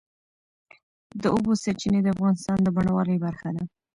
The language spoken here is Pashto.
د اوبو سرچینې د افغانستان د بڼوالۍ برخه ده.